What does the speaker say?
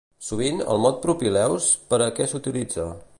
Sovint, el mot propileus per a què s'utilitza?